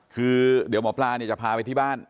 คือเดี๋ยวหมอปลาเนี่ยจะพาไปที่บ้าน